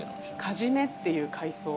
カジメっていう海藻。